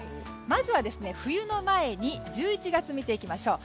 まずは、冬の前に１１月を見ていきましょう。